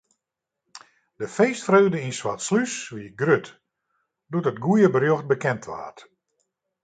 De feestfreugde yn Swartslús wie grut doe't it goede berjocht bekend waard.